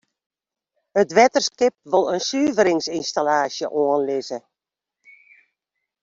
It wetterskip wol in suveringsynstallaasje oanlizze.